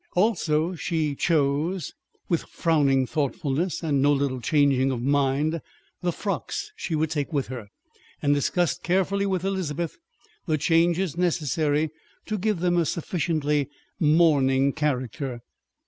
Also, she chose, with frowning thoughtfulness and no little changing of mind, the frocks she would take with her, and discussed carefully with Elizabeth the changes necessary to give them a sufficiently mourning character.